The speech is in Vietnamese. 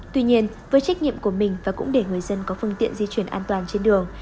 tuy nhiên với trách nhiệm của mình và cũng để người dân có phương tiện di chuyển an toàn trên đường